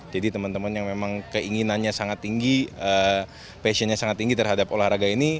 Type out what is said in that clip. jadi teman teman yang memang keinginannya sangat tinggi passionnya sangat tinggi terhadap olahraga ini